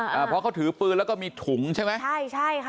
อ่าเพราะเขาถือปืนแล้วก็มีถุงใช่ไหมใช่ใช่ค่ะ